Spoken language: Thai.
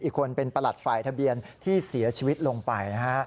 อีกคนเป็นประหลัดฝ่ายทะเบียนที่เสียชีวิตลงไป